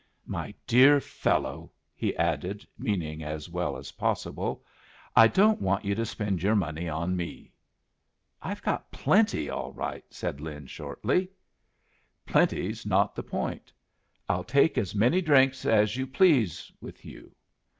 "My dear fellow," he added, meaning as well as possible, "I don't want you to spend your money on me." "I've got plenty all right," said Lin, shortly. "Plenty's not the point. I'll take as many drinks as you please with you.